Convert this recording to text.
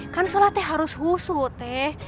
kan sholat teh harus husu teh